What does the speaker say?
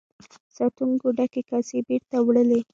ساتونکو ډکې کاسې بیرته وړلې.